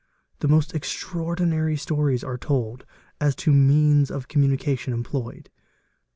The most extraordinary stories are told as to means of communication employed.